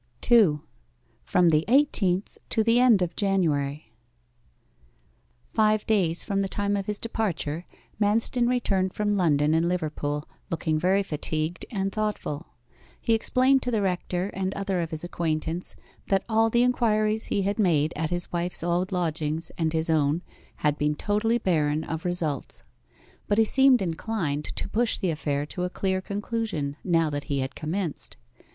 2. FROM THE EIGHTEENTH TO THE END OF JANUARY Five days from the time of his departure, Manston returned from London and Liverpool, looking very fatigued and thoughtful. He explained to the rector and other of his acquaintance that all the inquiries he had made at his wife's old lodgings and his own had been totally barren of results. But he seemed inclined to push the affair to a clear conclusion now that he had commenced.